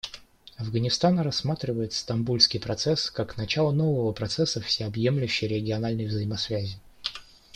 Афганистан рассматривает Стамбульский процесс как начало нового процесса всеобъемлющей региональной взаимосвязи.